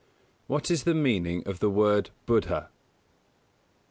_What is the meaning of the word Buddha?